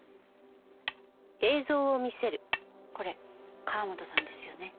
これ河元さんですよね。